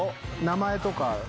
名前とか？